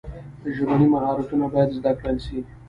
ژبني مهارتونه باید زده کړل سي.